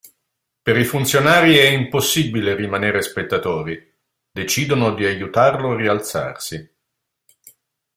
Per i funzionari è impossibile rimanere spettatori: decidono di aiutarlo a rialzarsi.